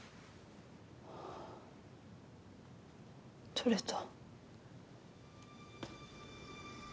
取れた。